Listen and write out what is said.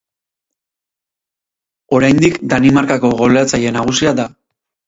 Oraindik Danimarkako goleatzaile nagusia da.